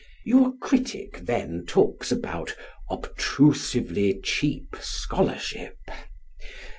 Your critic then talks about "obtrusively cheap scholarship."